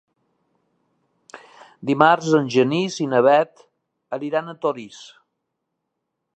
Dimarts en Genís i na Bet iran a Torís.